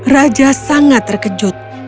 raja sangat terkejut